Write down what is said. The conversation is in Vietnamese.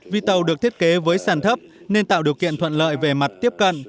vì tàu được thiết kế với sàn thấp nên tạo điều kiện thuận lợi về mặt tiếp cận